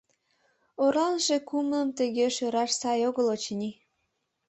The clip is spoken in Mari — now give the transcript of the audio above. Орланыше кумылым тыге шӧраш сай огыл, очыни...